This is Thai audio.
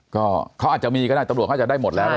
เค้าอาจจะมีก็ได้ตำรวจได้หมดแล้ว